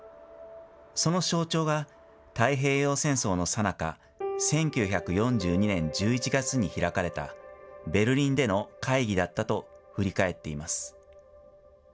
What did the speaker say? その象徴が、太平洋戦争のさなか、１９４２年１１月に開かれたベルリンでの会議だったと振り返っています。